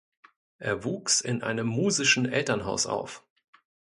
Er wuchs in einem musischen Elternhaus auf.